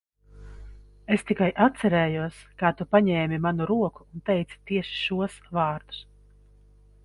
Es tikai atcerējos, kā tu paņēmi manu roku un teici tieši šos vārdus.